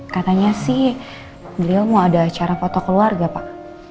katanya sih beliau mau ada acara foto keluarga pak